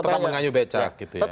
tetap mengayuh becak gitu ya